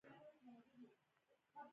زیره په خوړو کې خوند پیدا کوي